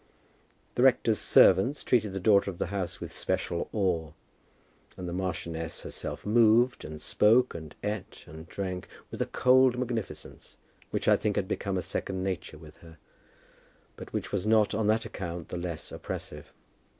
The rector's servants treated the daughter of the house with special awe, and the marchioness herself moved, and spoke, and ate, and drank with a cold magnificence, which I think had become a second nature with her, but which was not on that account the less oppressive.